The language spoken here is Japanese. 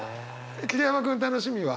桐山君楽しみは？